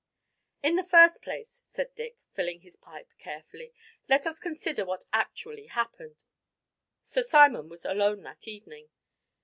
"In the first place," said Dick, filling his pipe carefully, "let us consider what actually happened. Sir Simon was alone that evening."